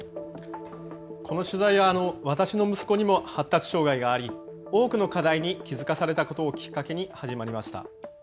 この取材は私の息子にも発達障害があり多くの課題に気付かされたことをきっかけに始まりました。